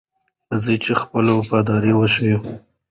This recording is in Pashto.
راځئ چې خپله وفاداري وښیو.